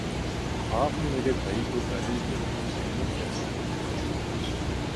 آپ نے میرے بھائی کو گالی دینے کی ہمت کیسے کی